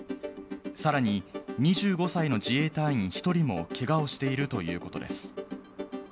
さらに、２５歳の自衛隊員１人もけがをしているということです。